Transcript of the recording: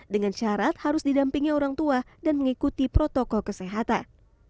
dengan syarat harus didampingi orang tua dan mengikuti protokol kesehatan